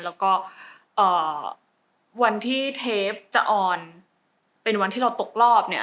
แล้วก็วันที่เทปจะออนเป็นวันที่เราตกรอบเนี่ย